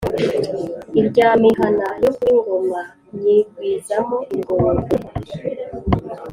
Irya mihana yo kuri Ngoma nyigwizamo ingogo,